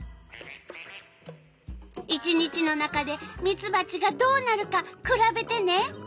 １日の中でミツバチがどうなるかくらべてね。